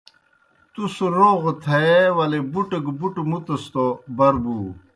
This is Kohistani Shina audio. تُس روغ تھیے ولے بُٹہْ گہ بُٹہْ مُتَس توْ بر بُو۔